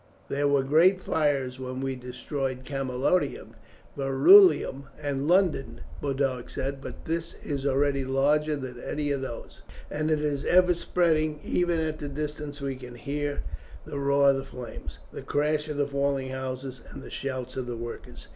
"There were great fires when we destroyed Camalodunum, Verulamium, and London," Boduoc said, "but this is already larger than any of those, and it is ever spreading; even at this distance we can hear the roar of the flames, the crash of the falling houses, and the shouts of the workers."